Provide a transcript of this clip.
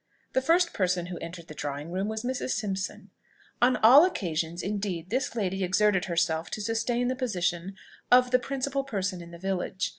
The first person who entered the drawing room was Mrs. Simpson. On all occasions, indeed, this lady exerted herself to sustain the position of "the principal person in the village."